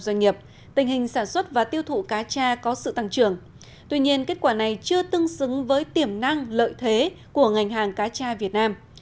doanh nghiệp sản xuất và tiêu thụ cá cha có sự tăng trưởng tuy nhiên kết quả này chưa tương xứng với tiềm năng lợi thế của ngành hàng cá tra việt nam